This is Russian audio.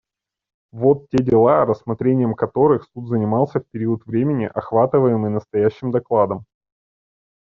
Вот те дела, рассмотрением которых Суд занимался в период времени, охватываемый настоящим докладом.